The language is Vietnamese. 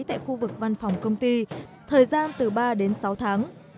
tại khu vực văn phòng công ty thời gian từ ba đến sáu tháng